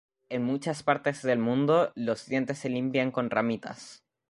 En muchas partes del mundo los dientes se limpian con ramitas.